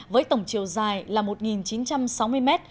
với tổng chiều dài là một chín trăm sáu mươi m